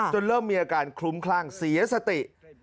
เริ่มมีอาการคลุ้มคลั่งเสียสติ